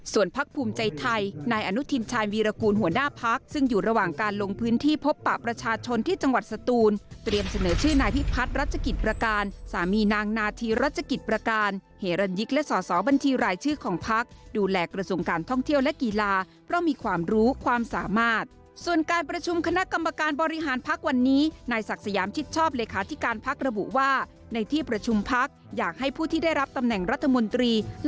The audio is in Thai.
ส่วนพักภูมิใจไทยนายอนุทินชายวีรกูลหัวหน้าพักซึ่งอยู่ระหว่างการลงพื้นที่พบประชาชนที่จังหวัดสตูนเตรียมเสนอชื่อนายพิพัฒน์รัชกิจประการสามีนางนาทีรัชกิจประการเหรนยิคและสอสอบันทิรายชื่อของพักดูแลกระทรวงการท่องเที่ยวและกีฬาเพราะมีความรู้ความสามารถส่วนการประชุมคณะกร